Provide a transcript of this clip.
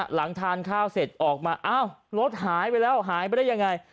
หลังทานข้าวเสร็จออกมาอ้าวรถหายไปแล้วหายไปได้ยังไง